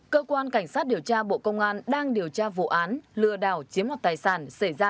cơ quan cảnh sát điều tra bộ công an đang điều tra vụ án lừa đảo chiếm hoạt tài sản xảy ra